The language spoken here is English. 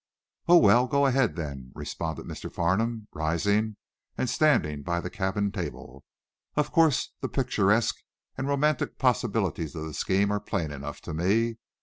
Oh, well, go ahead, then, responded Mr. Farnum, rising and standing by the cabin table. "Of course, the picturesque and romantic possibilities of the scheme are plain enough to me.